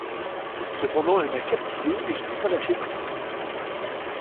Cependant, elle m'a captivé et je n’ai pas lâché prise.